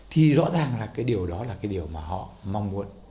thì rõ ràng là cái điều đó là cái điều mà họ mong muốn